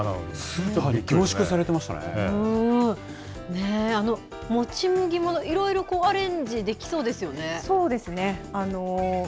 スーパーに凝縮されてましたもち麦も、いろいろアレンジそうですね。